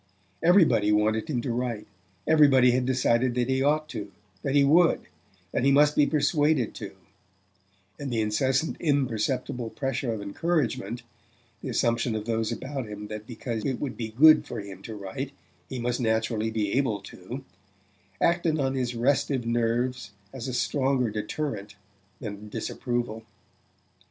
Everybody wanted him to write everybody had decided that he ought to, that he would, that he must be persuaded to; and the incessant imperceptible pressure of encouragement the assumption of those about him that because it would be good for him to write he must naturally be able to acted on his restive nerves as a stronger deterrent than disapproval.